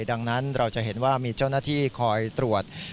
ดังนั้นเราจะเห็นว่ามีเจ้าหน้าที่คอยตรวจ